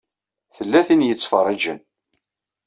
Tella tin i yettfeṛṛiǧen.